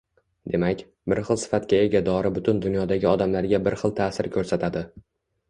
Demak, bir xil sifatga ega dori butun dunyodagi odamlarga bir xil taʼsir ko‘rsatadi.